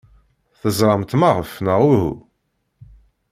Teẓramt maɣef, neɣ uhu?